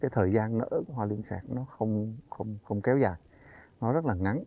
thời gian nở hoa liên sạc nó không kéo dài nó rất là ngắn